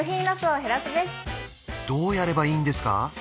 どうやればいいんですか？